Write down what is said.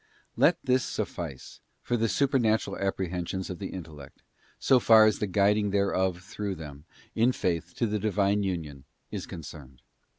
Let this suffice for the Supernatural Apprehensions of the intellect, so far as the guiding thereof through them, in faith, to the Divine union, is concerned.